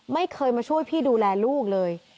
ไม่เคยมาช่วยพี่ดูแลลูกเลย